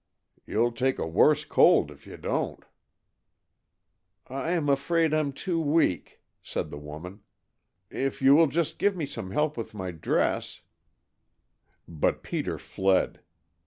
You'll take a worse cold if you don't." "I'm afraid I'm too weak," said the woman. "If you will just give me some help with my dress " But Peter fled.